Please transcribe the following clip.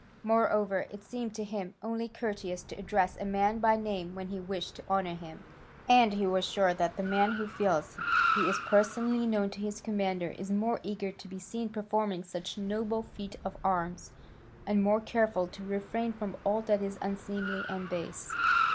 Moreover it seemed to him only courteous to address a man by name when he wished to honour him. And he was sure that the man who feels he is personally known to his commander is more eager to be seen performing some noble feat of arms, and more careful to refrain from all that is unseemly and base.